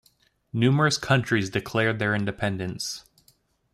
Numerous countries declared their independence.